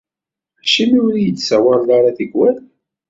Acimi ur iyi-d-tsawaleḍ ara tikkwal?